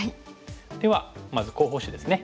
ではまず候補手ですね。